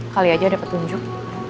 kali aja dapat tunjuk